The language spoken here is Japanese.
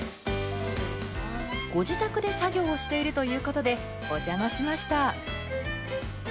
ご自宅で作業をしているということでお邪魔しました。